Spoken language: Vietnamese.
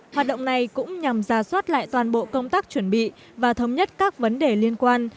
hoạt động này cũng nhằm ra soát lại toàn bộ công tác chuẩn bị và thống nhất các vấn đề liên quan